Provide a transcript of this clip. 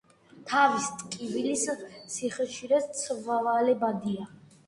თავის ტკივილის სიხშირე ცვალებადია.